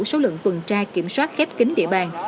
số lượng tuần tra kiểm soát khép kính địa bàn